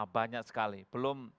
banyak sekali belum